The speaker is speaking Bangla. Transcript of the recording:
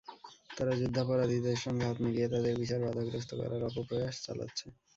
তারা যুদ্ধাপরাধীদের সঙ্গে হাত মিলিয়ে তাদের বিচার বাধাগ্রস্ত করার অপপ্রয়াস চালাচ্ছে।